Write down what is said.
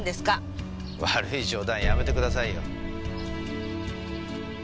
悪い冗談やめてくださいよ。